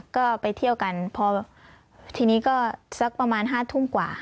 ก็ไปเที่ยวกันพอแบบทีนี้ก็สักประมาณ๕ทุ่มกว่า